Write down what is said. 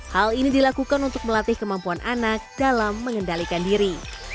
hal ini dilakukan untuk melatih kemampuan anak dalam mengendalikan diri